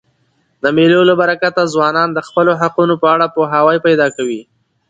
د مېلو له برکته ځوانان د خپلو حقونو په اړه پوهاوی پیدا کوي.